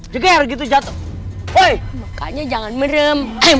makanya jangan merem